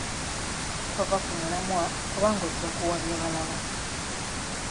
Tova ku mulamwa kubanga ojja kuwabya balala.